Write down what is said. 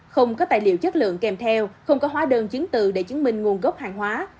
không có tài liệu chất lượng kèm theo không có hóa đơn chứng từ để chứng minh nguồn gốc hàng hóa